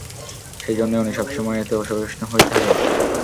সেজন্যই উনি সবসময়ে এত অসহিষ্ণু হয়ে থাকেন।